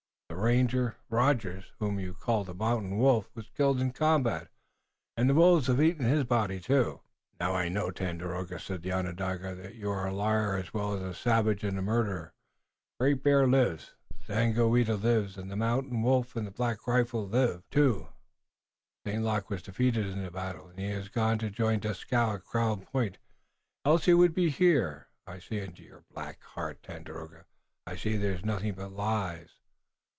The ranger, Rogers, whom you called the Mountain Wolf, was killed in the combat, and the wolves have eaten his body, too." "Now, I know, O Tandakora," said the Onondaga, "that you are a liar, as well as a savage and a murderer. Great Bear lives, Daganoweda lives, and the Mountain Wolf and Black Rifle live, too. St. Luc was defeated in the battle, and he has gone to join Dieskau at Crown Point, else he would be here. I see into your black heart, Tandakora, and I see there nothing but lies."